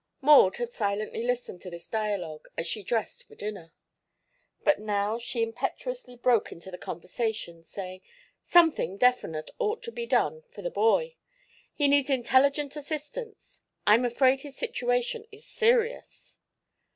Maud had silently listened to this dialogue as she dressed for dinner. But now she impetuously broke into the conversation, saying: "Something definite ought to be done for the boy. He needs intelligent assistance. I'm afraid his situation is serious."